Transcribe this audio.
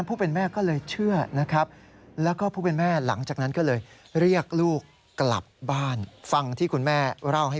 รู้สึกได้เลยค่ะมันไม่ได้เป็นปกตินะฮะ